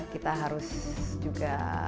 kita harus juga